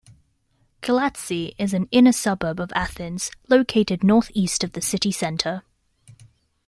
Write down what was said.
Galatsi is an inner suburb of Athens, located northeast of the city centre.